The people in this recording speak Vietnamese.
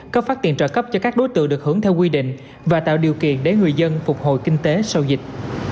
cấp phát tiền trợ cấp cho các đối tượng được hưởng theo quy định và tạo điều kiện để người dân phục hồi kinh tế sau dịch